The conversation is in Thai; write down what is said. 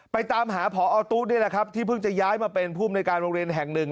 ตามหาพอตู้นี่แหละครับที่เพิ่งจะย้ายมาเป็นภูมิในการโรงเรียนแห่งหนึ่ง